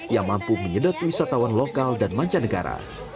yang mampu menyedot wisatawan lokal dan mancanegara